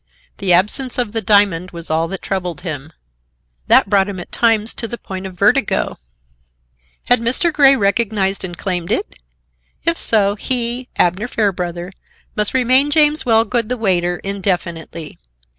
The absence of the diamond was all that troubled him. That brought him at times to the point of vertigo. Had Mr. Grey recognized and claimed it? If so, he, Abner Fairbrother, must remain James Wellgood, the waiter, indefinitely.